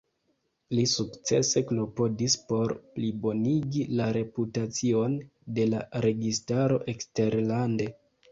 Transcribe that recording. Li sukcese klopodis por plibonigi la reputacion de la registaro eksterlande.